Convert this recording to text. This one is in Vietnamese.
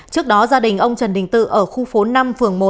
trước đó gia đình ông trần đình tự ở khu phố năm phường một